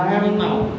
em đánh máu